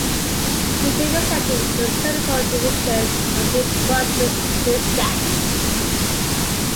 He represented the senatorial division of New Brunswick until his death.